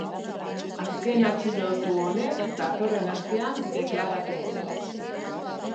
Azken atxilotu honek datorren astean deklaratuko du.